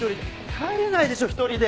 帰れないでしょ１人で。